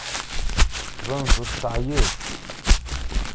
Tettbaneḍ-d teɛyiḍ.